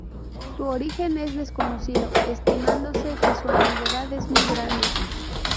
Su origen es desconocido, estimándose que su antigüedad es muy grande.